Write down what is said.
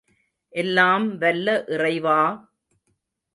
எல்லாம் வல்ல இறைவா!